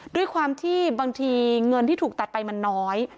ด้วยความที่บางทีเงินที่ถูกตัดไปมันน้อย